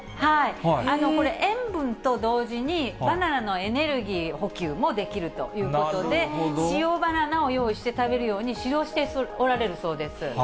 これ、塩分と同時にバナナのエネルギー補給もできるということで、塩バナナを用意して食べるように、指導しておられるそうです。